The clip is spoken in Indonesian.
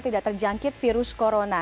tidak terjangkit virus corona